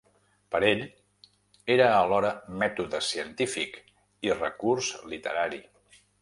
Per ell, era alhora mètode científic i recurs literari.